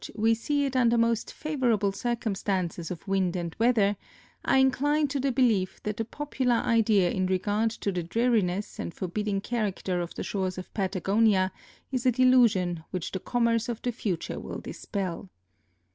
9 130 WINTER VOYAGE THROUGH STRAITS OF MAGELLAN see it under most favorable circumstances of Avind and weather, I incline to the belief that the popular idea in regard to the dreariness and forbidding character of the shores of Patagonia is a delusion which the commerce of the future will dispel.